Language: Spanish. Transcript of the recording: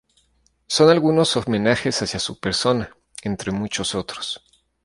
Son algunos homenajes hacia su persona, entre muchos otros.